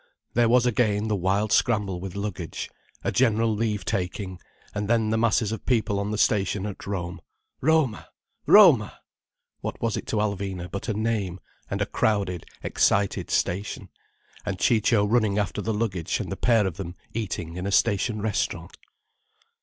There was again, the wild scramble with luggage, a general leave taking, and then the masses of people on the station at Rome. Roma! Roma! What was it to Alvina but a name, and a crowded, excited station, and Ciccio running after the luggage, and the pair of them eating in a station restaurant?